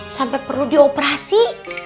sampai perlu dioperasi